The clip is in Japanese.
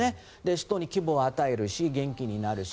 人に希望を与えるし元気になるし。